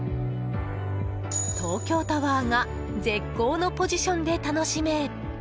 東京タワーが絶好のポジションで楽しめ。